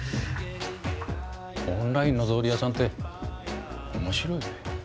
オンラインの草履屋さんって面白いね。